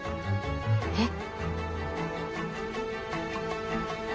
えっ！？